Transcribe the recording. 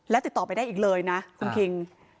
ติดต่อไปได้อีกเลยนะคุณคิง